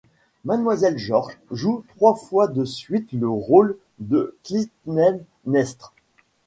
Mlle George joua trois fois de suite le rôle de Clytemnestre.